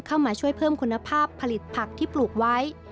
เข้ามาช่วยเพิ่มคุณภาพผลิตผักที่ปลูกไว้